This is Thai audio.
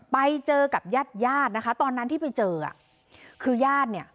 ไปเจอกับญาติญาตินะคะตอนนั้นที่ไปเจออ่ะคือญาติเนี่ย